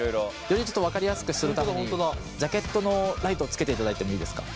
よりちょっと分かりやすくするためにジャケットのライトをつけていただいてもいいですか？